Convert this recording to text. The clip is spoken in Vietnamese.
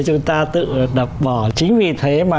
chúng ta tự đập bỏ chính vì thế mà